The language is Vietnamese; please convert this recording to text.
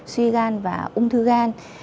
sơ gan và ung thư gan